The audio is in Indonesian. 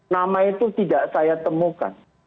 nama itu tidak saya temukan